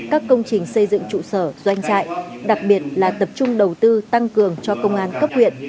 các công trình xây dựng trụ sở doanh trại đặc biệt là tập trung đầu tư tăng cường cho công an cấp huyện